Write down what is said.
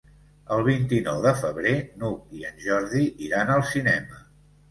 El vint-i-nou de febrer n'Hug i en Jordi iran al cinema.